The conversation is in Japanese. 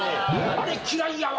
あれ嫌いやわ。